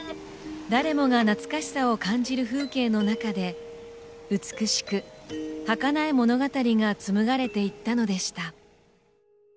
誰もが懐かしさを感じる風景の中で美しくはかない物語が紡がれていったのでした